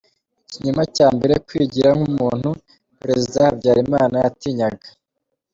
Ikinyoma cya mbere: kwigira nk’umuntu Perezida Habyalimana yatinyaga